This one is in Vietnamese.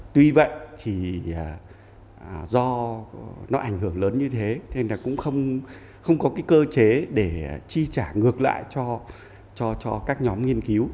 tuy vậy thì do nó ảnh hưởng lớn như thế nên là cũng không có cái cơ chế để chi trả ngược lại cho các nhóm nghiên cứu